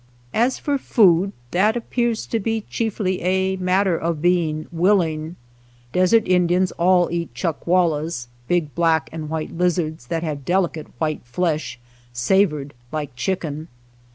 As for food, that appears to be chiefly a / matter of being willing. Desert Indians all eat chuck wallas, big black and white liz /ards that have delicate white flesh savored like chicken.